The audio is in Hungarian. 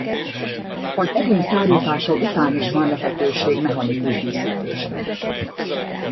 Az edény szárítása után is van lehetőség mechanikus díszítésre.